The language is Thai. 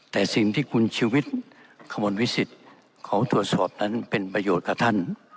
แต่สิ่งที่คุณชีวิตขบวนวิสิทธิ์เขาตรวจสอบนั้นเป็นประโยชน์กับท่าน